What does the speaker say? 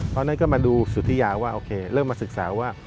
เพราะฉะนั้นก็มาดูสุธิยาว่าโอเคเริ่มมาศึกษาว่า